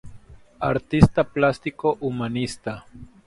Artista plástico, humanista.